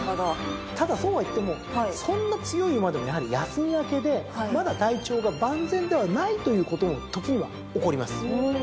ただそうは言ってもそんな強い馬でもやはり休み明けでまだ体調が万全ではないということも時には起こります。